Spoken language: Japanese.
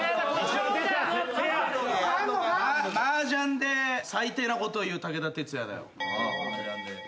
麻雀で最低なことを言う武田鉄矢だよ。